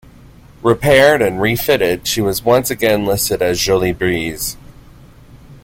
Repaired and refitted, she was once again listed as "Jolie Brise".